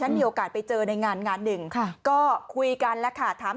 มีโอกาสไปเจอในงานงานหนึ่งค่ะก็คุยกันแล้วค่ะถาม